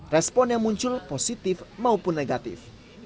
respon yang muncul positif maupun negatif